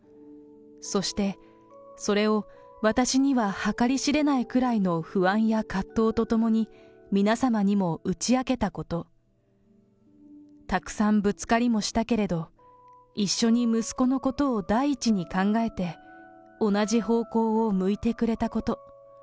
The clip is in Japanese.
そして、それを私には計り知れないくらいの不安や葛藤と共に皆様にも打ち明けたこと、たくさんぶつかりもしたけれど、一緒に息子のことを第一に考えて、同じ方向を向いてくれたこと。